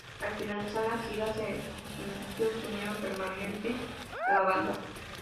Al finalizar la gira, se anunció su unión permanente a la banda.